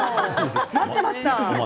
待っていました。